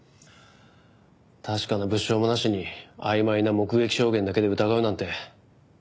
確かな物証もなしに曖昧な目撃証言だけで疑うなんて。